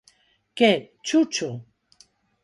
_¿Que, Chucho?